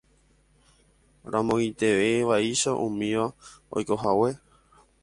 ramoiténtevaicha umíva oikohague